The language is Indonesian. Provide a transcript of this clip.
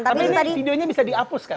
tapi ini videonya bisa diapus kan